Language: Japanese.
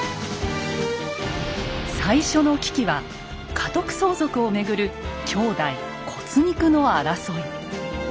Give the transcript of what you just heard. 最初の危機は家督相続をめぐる兄弟骨肉の争い。